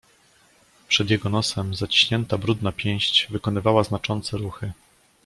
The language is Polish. "Przed jego nosem zaciśnięta brudna pięść wykonywała znaczące ruchy."